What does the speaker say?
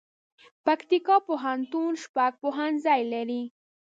پکتيکا پوهنتون شپږ پوهنځي لري